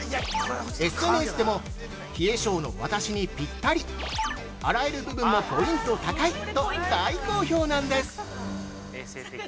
ＳＮＳでも、冷え性の私にぴったり洗えるところもポイント高いと大好評なんです。